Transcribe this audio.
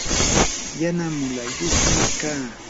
yana mulayuqmi kaa.